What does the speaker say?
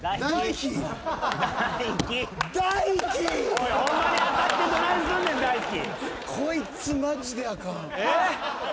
おいホンマに当たってどないすんねん大毅。